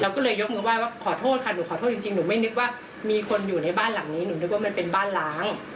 ก็เลยยกมือไห้ว่าขอโทษค่ะหนูขอโทษจริงหนูไม่นึกว่ามีคนอยู่ในบ้านหลังนี้หนูนึกว่ามันเป็นบ้านล้าง